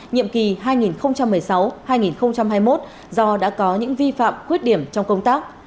nhiệm kỳ hai nghìn một mươi sáu hai nghìn hai mươi một do đã có những vi phạm khuyết điểm trong công tác